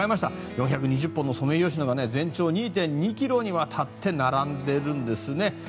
４２０本のソメイヨシノが全長２．２ｋｍにわたって並んでいるんですね。